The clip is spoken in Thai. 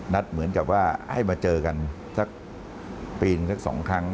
เหมือนกับว่าให้มาเจอกันสักปีหนึ่งสักสองครั้ง